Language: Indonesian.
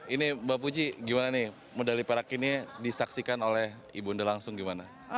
ini mbak puji gimana nih medali perak ini disaksikan oleh ibu unda langsung gimana